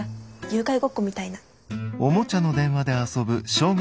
誘拐ごっこみたいな。